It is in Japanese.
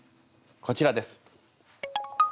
こちらです。